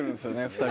２人。